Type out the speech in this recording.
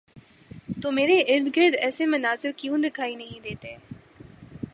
تو میرے ارد گرد ایسے مناظر کیوں دکھائی نہیں دیتے؟